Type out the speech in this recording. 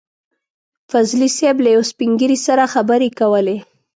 فضلي صیب له يو سپين ږيري سره خبرې کولې.